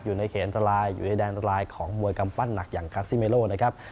อยู่ในเขตอันตรายอยู่ในแดนรายของมวยกำปั้นหนักอย่างคาซิเมโลนะครับ